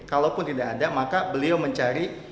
kalaupun tidak ada maka beliau mencari